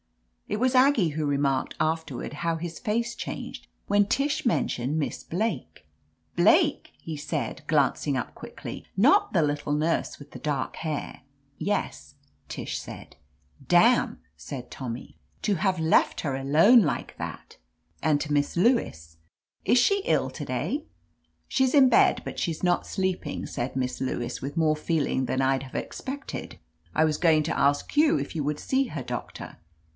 It was Aggie who remarked afterward how his face changed when Tish mentioned Miss Blake. "Blake !" he said, glancing up quickly, "not the little nurse with the dark hair ?" "Yes," Tish said. "Damn !" said Tonuny. "To have left her alone, like that!'* And to Miss Lewis: "Is she ill to day?'' "She's in bed, but she's not sleeping," said Miss Lewis, with more feeling than I'd have expected. "I was going to ask you if you would see her. Doctor.